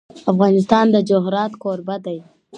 افغانستان د جواهرات کوربه دی.